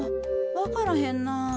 わからへんな。